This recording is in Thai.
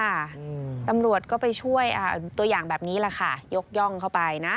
อืมตำรวจก็ไปช่วยอ่าตัวอย่างแบบนี้แหละค่ะยกย่องเข้าไปนะ